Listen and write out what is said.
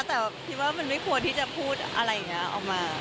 แต่คิดว่ามันไม่ควรที่จะพูดอะไรอย่างนี้ออกมา